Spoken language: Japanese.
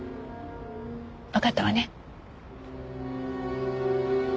わかったわね？